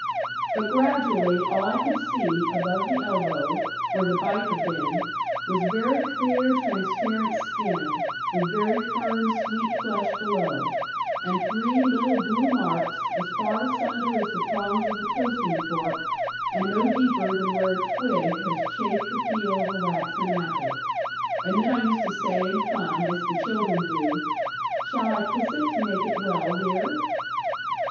But gradually all I could see, above the elbow, where the bite had been, was very clear, transparent skin, with very firm sweet flesh below, and three little blue marks as far asunder as the prongs of a toasting fork, and no deeper than where a twig has chafed the peel of a waxen apple. And then I used to say in fun, as the children do, 'Shall I kiss it, to make it well, dear?'